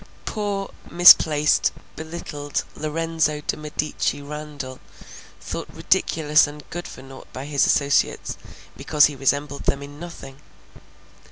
Poor misplaced, belittled Lorenzo de Medici Randall, thought ridiculous and good for naught by his associates, because he resembled them in nothing!